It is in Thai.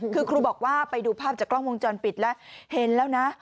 คือครูบอกว่าไปดูภาพจากกล้องวงจรปิดแล้วเห็นแล้วนะ